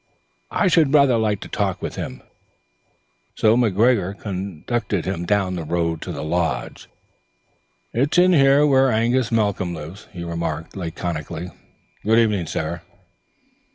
"I should rather like a talk with him." McGregor conducted him down the road to the lodge. "It's in here whar Angus Malcolm lives," he remarked laconically. "Good evening, sir."